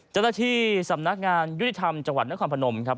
เจ้าหน้าที่สำนักงานยุติธรรมจังหวัดนครพนมครับ